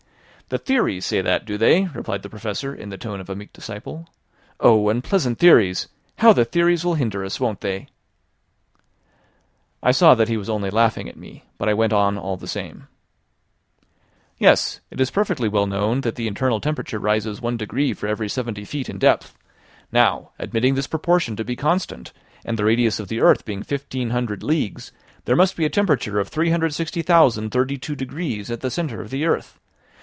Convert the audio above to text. "The theories say that, do they?" replied the Professor in the tone of a meek disciple. "Oh! unpleasant theories! How the theories will hinder us, won't they?" I saw that he was only laughing at me; but I went on all the same. "Yes; it is perfectly well known that the internal temperature rises one degree for every 70 feet in depth; now, admitting this proportion to be constant, and the radius of the earth being fifteen hundred leagues, there must be a temperature of 360,032 degrees at the centre of the earth.